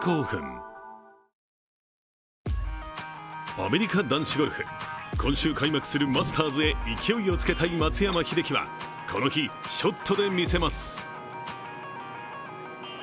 アメリカ男子ゴルフ今週開幕するマスターズへ勢いをつけたい松山英樹はこの日、ショットで見せます。